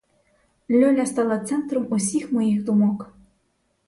Льоля стала центром усіх моїх думок.